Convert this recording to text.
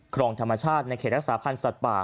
ครองธรรมชาติในเขตรักษาพันธ์สัตว์ป่า